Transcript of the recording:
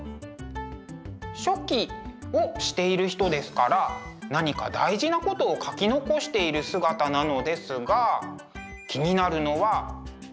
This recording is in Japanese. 書記をしている人ですから何か大事なことを書き残している姿なのですが気になるのはこの顔。